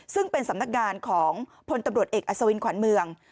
ซึ่งเป็นสำนักงานของพลตำรวจเอกอัศวินขวัญเมือง